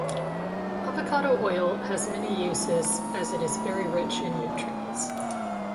Avocado oil has many uses as it is very rich in nutrients.